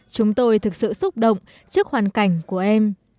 chúng tôi thực sự xúc động trước hoàn cảnh của em